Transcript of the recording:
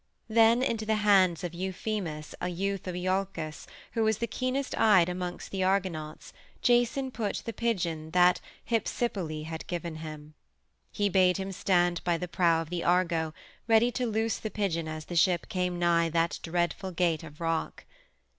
Then into the hands of Euphemus, a youth of Iolcus, who was the keenest eyed amongst the Argonauts, Jason put the pigeon that Hypsipyle had given him. He bade him stand by the prow of the Argo, ready to loose the pigeon as the ship came nigh that dreadful gate of rock.